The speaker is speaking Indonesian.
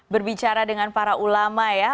berbicara dengan para ulama ya